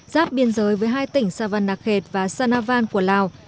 giáp biên giới với hai tỉnh sa văn đặc hệt và sa na van của lào